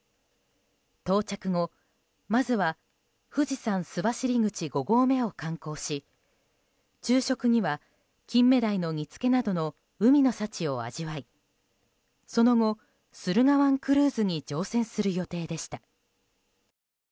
到着後、まずは富士山須走口５合目を観光し昼食にはキンメダイの煮つけなどの海の幸を味わいその後、駿河湾クルーズに乗船する予定でした。